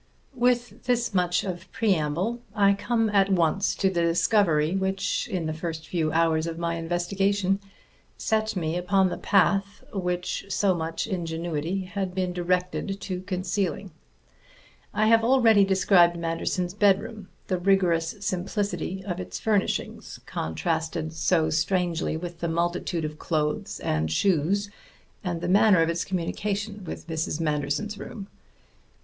With this much of preamble I come at once to the discovery which, in the first few hours of my investigation, set me upon the path which so much ingenuity had been directed to concealing. I have already described Manderson's bedroom, the rigorous simplicity of its furnishings, contrasted so strangely with the multitude of clothes and shoes, and the manner of its communication with Mrs. Manderson's room.